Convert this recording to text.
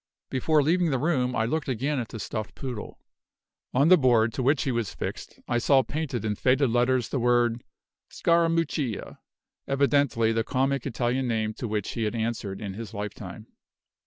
Before leaving the room, I looked again at the stuffed poodle. On the board to which he was fixed, I saw painted in faded letters the word "Scarammuccia," evidently the comic Italian name to which he had answered in his lifetime.